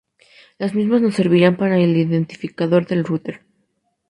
Las mismas nos servirán para el identificador del router.